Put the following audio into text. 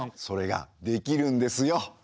それができるんですよ。